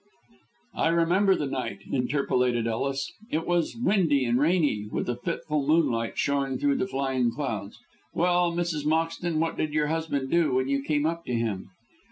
"I remember the night," interpolated Ellis, "it was windy and rainy, with a fitful moonlight showing through the flying clouds. Well, Mrs. Moxton, what did your husband do when you came up to him?"